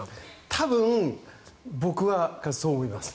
多分僕はそう思います。